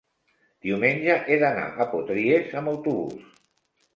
Diumenge he d'anar a Potries amb autobús.